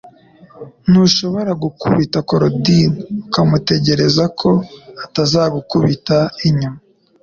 Ntushobora gukubita Korodina ukamutegereza ko atazagukubita inyuma